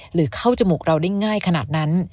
หรือเข้าจมูกเราได้ง่ายขนาดนั้น